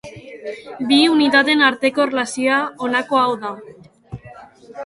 Bi unitateen arteko erlazioa honako hau da.